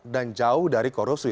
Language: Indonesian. dan jauh dari korupsi